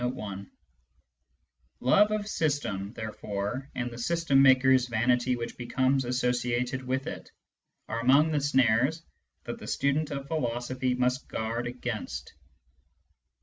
^ Love of system, therefore, and the system maker's vanity which becomes associated with it, are among the snares that the student of philosophy must guard against.